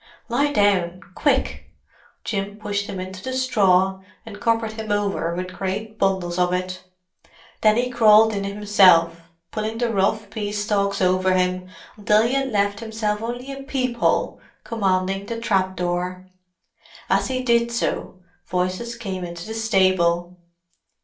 "Lie down—quick!" Jim pushed him into the straw and covered him over with great bundles of it. Then he crawled in himself, pulling the rough pea stalks over him until he had left himself only a peep hole commanding the trap door. As he did so, voices came into the stable.